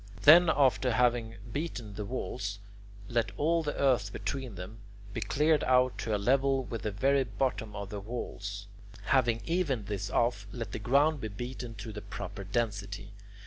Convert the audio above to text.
Then after having beaten the walls, let all the earth between them be cleared out to a level with the very bottom of the walls. Having evened this off, let the ground be beaten to the proper density.